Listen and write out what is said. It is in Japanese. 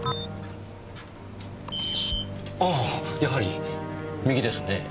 あぁやはり右ですねぇ。